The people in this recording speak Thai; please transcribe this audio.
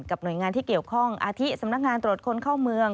หน่วยงานที่เกี่ยวข้องอาทิตสำนักงานตรวจคนเข้าเมือง